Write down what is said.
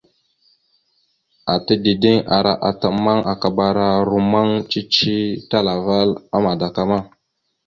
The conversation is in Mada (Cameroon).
Ata dideŋ ara ata ammaŋ akabara rommaŋ cici talaval a madakama.